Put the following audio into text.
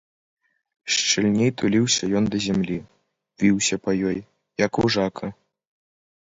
Шчыльней туліўся ён да зямлі, віўся па ёй, як вужака.